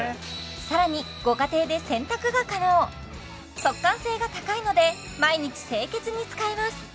さらにご家庭で洗濯が可能速乾性が高いので毎日清潔に使えます